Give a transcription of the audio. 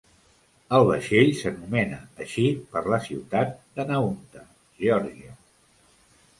El vaixell s'anomena així per la ciutat de Nahunta, Georgia.